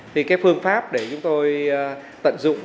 thì cái phương pháp để chúng tôi tận dụng